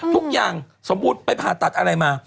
ทุกอย่างสมมุติไปผ่าตัดอะไรมา